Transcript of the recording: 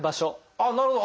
あっなるほど。